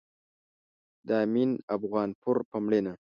د امين افغانپور په مړينه